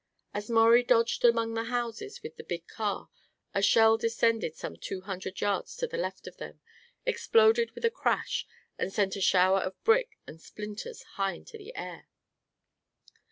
As Maurie dodged among the houses with the big car a shell descended some two hundred yards to the left of them, exploded with a crash and sent a shower of brick and splinters high into the air.